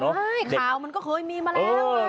ใช่ข่าวมันก็เคยมีมาแล้ว